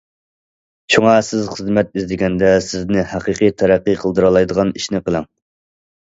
شۇڭا سىز خىزمەت ئىزدىگەندە سىزنى ھەقىقىي تەرەققىي قىلدۇرالايدىغان ئىشنى قىلىڭ.